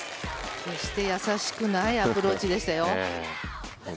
決して易しくないアプローチでしたよ。